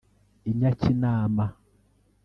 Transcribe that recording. i Nyakinama